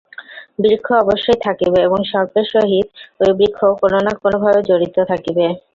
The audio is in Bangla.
বৃক্ষ অবশ্যই থাকিবে এবং সর্পের সহিত ঐ বৃক্ষ কোন-না-কোন ভাবে জড়িত থাকিবে।